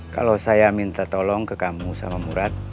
kalau saya minta tolong ke kamu sama murad